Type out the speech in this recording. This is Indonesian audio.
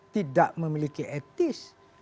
tidak memiliki etis